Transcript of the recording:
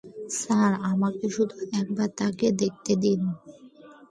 Sir, আমাকে শুধু একবার তাকে দেখতে দিন।